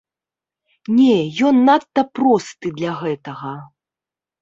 Не, ён надта просты для гэтага.